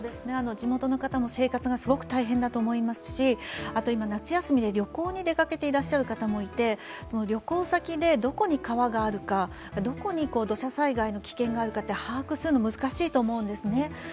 地元の方の生活がすごく大変だと思いますし、今、夏休みで、旅行に出かけていらっしゃる方もいて旅行先でどこに川があるかどこに土砂災害の危険があるか把握するのは難しいと思うんですね。